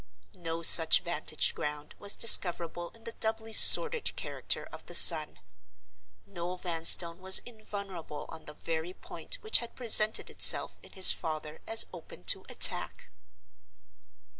No such vantage ground was discoverable in the doubly sordid character of the son. Noel Vanstone was invulnerable on the very point which had presented itself in his father as open to attack.